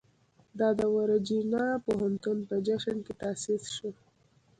دا د ورجینیا پوهنتون په جشن کې تاسیس شو.